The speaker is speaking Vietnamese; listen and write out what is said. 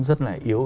rất là yếu